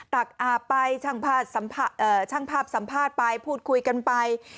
ตักอาบไปช่างภาพสัมภาษณ์ไปพูดคุยกันไป